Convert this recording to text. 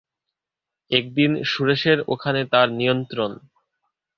একদিন সুরেশের ওখানে তাঁর নিমন্ত্রণ।